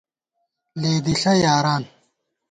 لېدِݪہ یاران